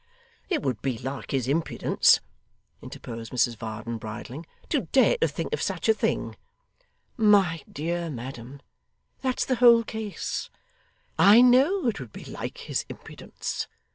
'It would be like his impudence,' interposed Mrs Varden, bridling, 'to dare to think of such a thing!' 'My dear madam, that's the whole case. I know it would be like his impudence.